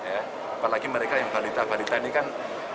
apalagi mereka yang balita balita ini kan